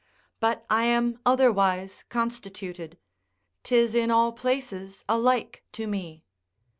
But I am otherwise constituted; 'tis in all places alike to me.